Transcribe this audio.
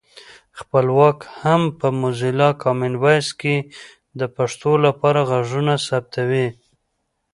خپلواک هم په موزیلا کامن وایس کې د پښتو لپاره غږونه ثبتوي